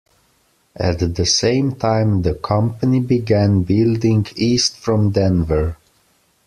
At the same time, the company began building east from Denver.